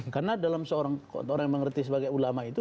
karena dalam seorang orang yang mengerti sebagai ulama itu